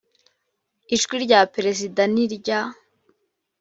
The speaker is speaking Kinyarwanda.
ijwi rya perezida n’irya